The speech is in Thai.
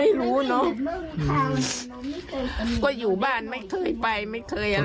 ให้หลานทำใจดีทำไงดายเนาะ